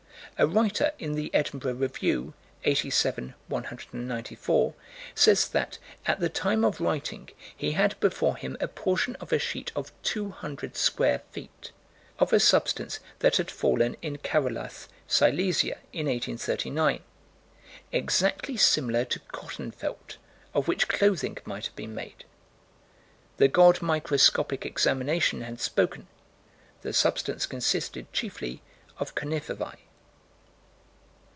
A writer in the Edinburgh Review, 87 194, says that, at the time of writing, he had before him a portion of a sheet of 200 square feet, of a substance that had fallen at Carolath, Silesia, in 1839 exactly similar to cotton felt, of which clothing might have been made. The god Microscopic Examination had spoken. The substance consisted chiefly of conifervæ.